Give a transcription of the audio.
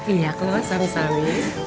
iya keluar sami sami